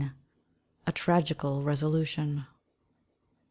_A tragical Resolution.